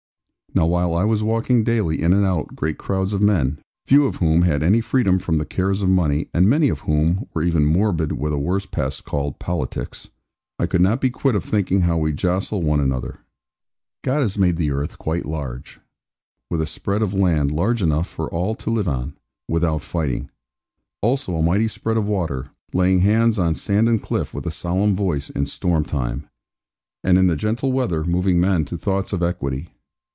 Now while I was walking daily in and out great crowds of men (few of whom had any freedom from the cares of money, and many of whom were even morbid with a worse pest called 'politics'), I could not be quit of thinking how we jostle one another. God has made the earth quite large, with a spread of land large enough for all to live on, without fighting. Also a mighty spread of water, laying hands on sand and cliff with a solemn voice in storm time; and in the gentle weather moving men to thoughts of equity.